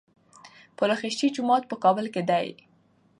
پل خشتي جومات په کابل کي دی